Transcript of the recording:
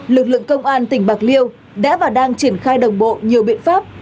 lực lượng công an tỉnh bạc liêu đã và đang triển khai đồng bộ nhiều biện pháp